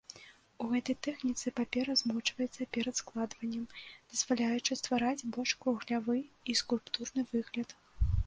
У гэтай тэхніцы папера змочваецца перад складваннем, дазваляючы ствараць больш круглявы і скульптурны выгляд.